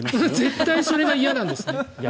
絶対それが嫌なんですね。